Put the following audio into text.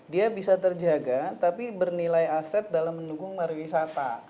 dia bisa terjaga tapi bernilai aset dalam mendukung pariwisata